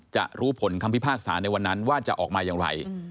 จะรู้ผลคำพิพากษาในวันนั้นว่าจะออกมาอย่างไร